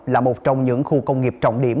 là một trong những khu công nghiệp trọng điểm